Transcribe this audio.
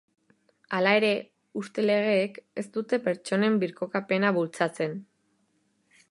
Hala ere, huste-legeek ez dute pertsonen birkokapena bultzatzen.